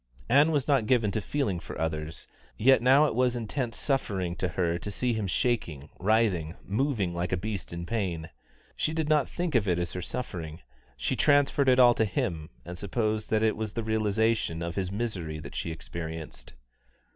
Ann was not given to feeling for others, yet now it was intense suffering to her to see him shaking, writhing, moving like a beast in pain. She did not think of it as her suffering; she transferred it all to him, and supposed that it was the realisation of his misery that she experienced.